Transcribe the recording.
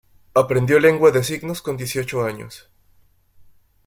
Aprendió lengua de signos con dieciocho años.